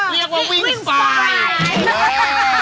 เรียกว่าวิ่งฟายวิ่งฟาย